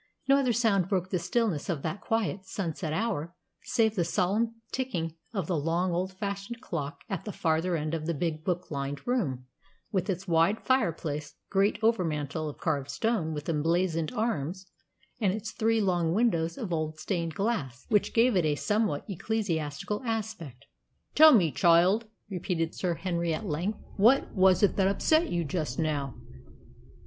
No other sound broke the stillness of that quiet sunset hour save the solemn ticking of the long, old fashioned clock at the farther end of the big, book lined room, with its wide fireplace, great overmantel of carved stone with emblazoned arms, and its three long windows of old stained glass which gave it a somewhat ecclesiastical aspect. "Tell me, child," repeated Sir Henry at length, "what was it that upset you just now?"